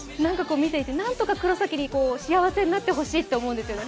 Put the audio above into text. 見ていて、なんとか黒崎に幸せになってほしいと思うんですよね。